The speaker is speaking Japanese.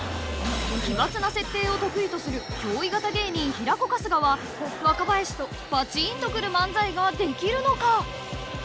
［奇抜な設定を得意とする憑依型芸人平子春日は若林とバチーンとくる漫才ができるのか？］